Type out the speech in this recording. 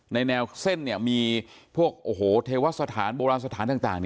แนวมีพวกเทวาสถานโบราณสถานต่าง